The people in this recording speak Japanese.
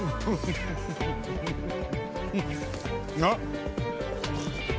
あっ！